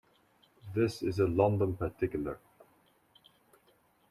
This is a London particular.